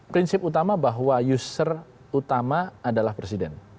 prinsip utama bahwa user utama adalah presiden